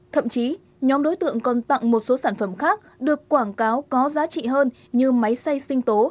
thậm chí nhóm đối tượng còn tặng một số sản phẩm khác được quảng cáo có giá trị hơn như máy xay sinh tố